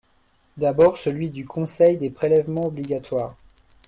D’abord, celui du Conseil des prélèvements obligatoires.